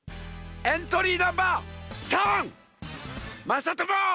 エントリーナンバー３まさとも！